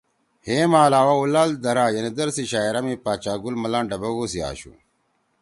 ہئے ما علاوہ اُولال درہ یعنی در سی شاعرا می پاچاگل ملان ڈبَگو سی آشُو۔